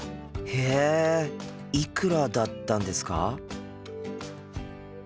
へえいくらだったんですか？